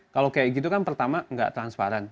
kalau kayak gitu kan pertama nggak transparan